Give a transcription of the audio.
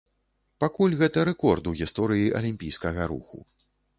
Пакуль гэта рэкорд у гісторыі алімпійскага руху.